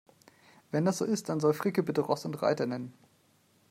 Wenn das so ist, dann soll Fricke bitte Ross und Reiter nennen.